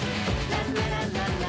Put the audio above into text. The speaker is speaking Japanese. ランラランラララ